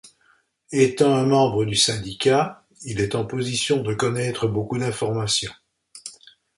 Étant un membre du Syndicat, il est en position de connaître beaucoup d'informations.